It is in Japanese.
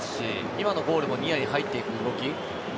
今のボールもニアに入っていく動き